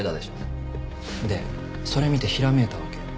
でそれ見てひらめいたわけ。